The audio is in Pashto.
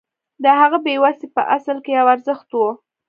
د هغه بې وسي په اصل کې یو ارزښت و